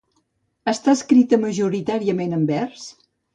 Està escrita majoritàriament en vers?